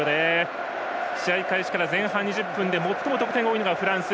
試合開始から前半２０分で最も得点が多いのがフランス。